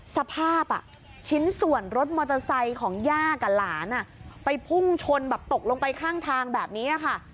สภาพชิ้นส่วนรถมอเตอร์ไซค์ของย่ากับหลานไปพุ่งชนแบบตกลงไปข้างทางแบบนี้ค่ะ